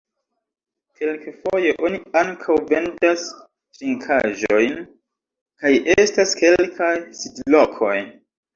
Kelkfoje oni ankaŭ vendas trinkaĵojn kaj estas kelkaj sidlokoj.